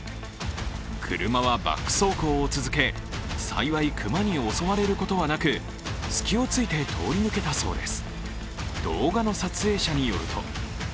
車はバック走行を続け、幸い熊に襲われることはなく隙をついて通り抜けたそうです。